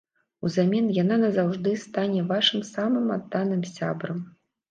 Узамен яна назаўжды стане вашым самым адданым сябрам.